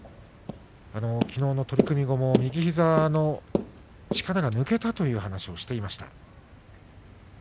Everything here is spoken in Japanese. きのうの取組のあとも右膝の力が抜けたという話をしていました。